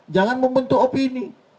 jangan membentuk opini